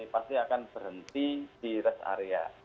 pasti akan berhenti di rest area